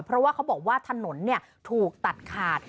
เพราะว่าเขาบอกว่าถนนถูกตัดขาด